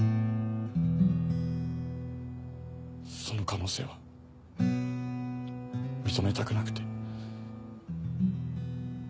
その可能性は認めたくなくて。